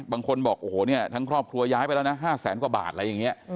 บางคนบอกโอ้โหเนี่ยทั้งครอบครัวย้ายไปแล้วนะ๕แสนกว่าบาทอะไรอย่างนี้